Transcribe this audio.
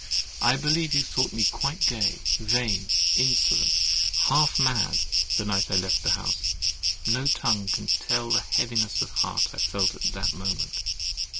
—I believe you thought me quite gay, vain, insolent, half mad, the night I left the house—no tongue can tell the heaviness of heart I felt at that moment.